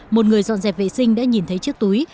một người dọn dẹp vệ sinh đã nhìn thấy chiếc túi